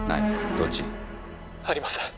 どっち？ありません。